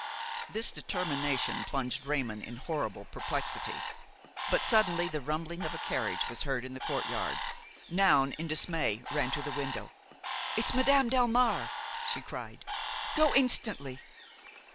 This determination plunged Raymon in horrible perplexity; but suddenly the rumbling of a carriage was heard in the courtyard. Noun, in dismay, ran to the window. "It's Madame Delmare!" she cried; "go instantly!"